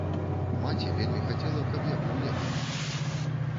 Маці вельмі хацела, каб я быў лекарам.